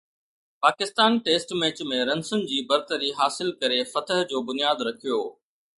Pakistan test match ۾ رنسن جي برتري حاصل ڪري فتح جو بنياد رکيو